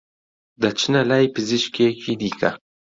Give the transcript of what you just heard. دەچنە لای پزیشکێکی دیکە